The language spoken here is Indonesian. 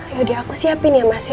yaudah aku siapin ya mas ya